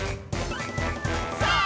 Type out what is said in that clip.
さあ！